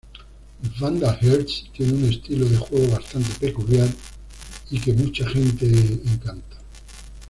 Vandal Hearts tiene un estilo de juego bastante peculiar y que mucha gente encanta.